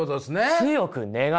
強く願う。